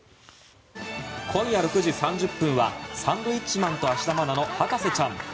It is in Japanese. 今夜６時３０分は「サンドウィッチマン＆芦田愛菜の博士ちゃん」。